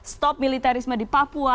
stop militarisme di papua